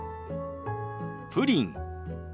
プリン。